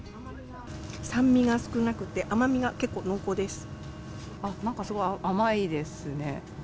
酸味が少なくて、甘みが結構なんかすごい甘いですね。